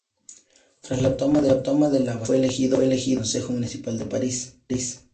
Tras la Toma de la Bastilla fue elegido para el Consejo Municipal de París.